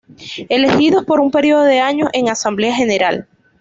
Elegidos por un periodo de años en Asamblea General.